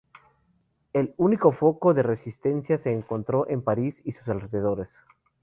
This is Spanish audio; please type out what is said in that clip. El único foco de resistencia se encontró en París y sus alrededores.